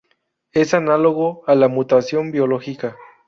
Es análogo a la mutación biológica.